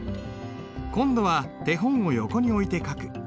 今度は手本を横に置いて書く。